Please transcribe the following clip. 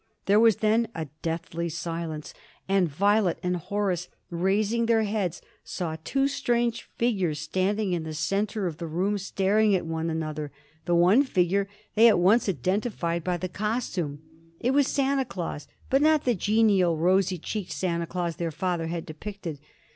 There was then a deathly silence, and Violet and Horace, raising their heads, saw two strange figures standing in the centre of the room staring at one another the one figure they at once identified by the costume. He was Santa Claus but not the genial, rosy cheeked Santa Claus their father had depicted.